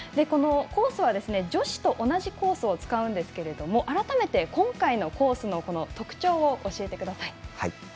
コースは女子と同じコースを使うんですが改めて今回のコースの特徴を教えてください。